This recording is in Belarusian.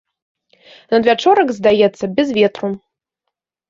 Надвячорак, здаецца, без ветру.